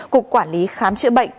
cục quản lý khám chữa bệnh